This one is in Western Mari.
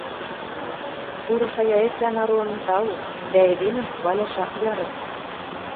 – Пуры шаяэтлӓн, Арон, тау... дӓ эдемӹм хваляш ак яры...